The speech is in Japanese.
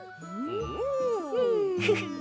フフッ。